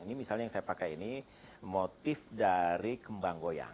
ini misalnya yang saya pakai ini motif dari kembang goyang